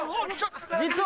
実は。